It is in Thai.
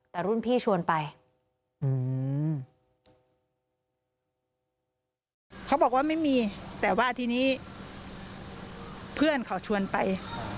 แต่รุ่นพี่ชวนไป